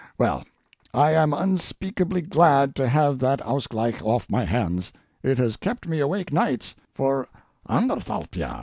Well, I am unspeakably glad to have that ausgleich off my hands. It has kept me awake nights for anderthalbjahr.